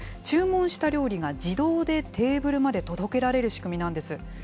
注文した料理が自動でテーブルまで届けられる仕組みなんです。